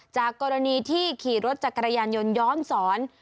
จากกรณีที่ขี่รถจักรยานยนต์ย้อนสอน